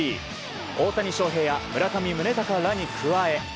大谷翔平や村上宗隆らに加え